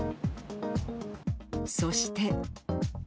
そして。